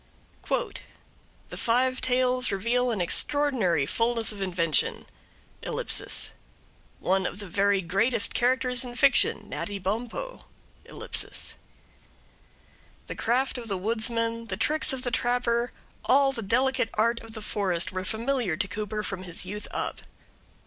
The five tales reveal an extraordinary fulness of invention. ... One of the very greatest characters in fiction, Natty Bumppo.... The craft of the woodsman, the tricks of the trapper, all the delicate art of the forest, were familiar to Cooper from his youth up.